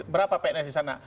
berapa pns disana